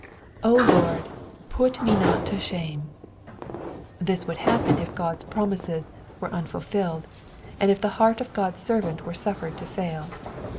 0 Lord, pvt me not to shame,'*'* This would happen if God's promises were unfulfilled, and if the heart of God's servant were suffered to fail.